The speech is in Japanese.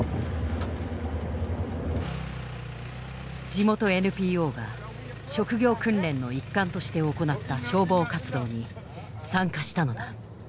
地元ＮＰＯが職業訓練の一環として行った消防活動に参加したのだ。